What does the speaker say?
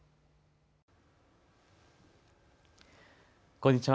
こんにちは。